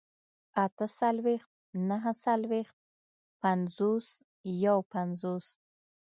اتهڅلوېښت، نههڅلوېښت، پينځوس، يوپينځوس